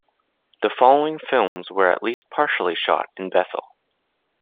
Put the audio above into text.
The following films were at least partially shot in Bethel.